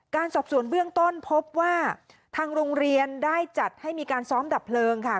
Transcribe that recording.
สอบสวนเบื้องต้นพบว่าทางโรงเรียนได้จัดให้มีการซ้อมดับเพลิงค่ะ